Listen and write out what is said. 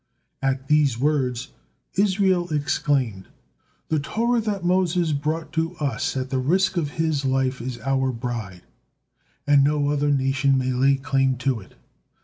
At these words Israel exclaimed, "The Torah that Moses brought to us at the risk of his life is our bride, and no other nation may lay claim to it.